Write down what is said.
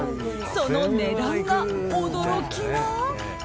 その値段が驚きの。